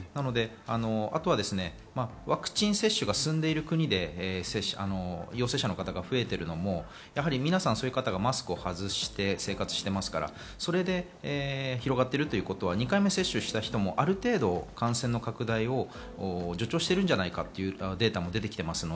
あとはワクチン接種が進んでる国で陽性者の方が増えているのも皆さん、そういう方がマスクを外して生活していますから、それで広がってるってことは２回目を接種した人もある程度、感染拡大を助長してるのではないかというデータも出ています。